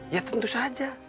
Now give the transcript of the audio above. ya tentu saja